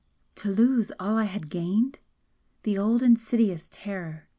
'To lose all I have gained.' The old insidious terror!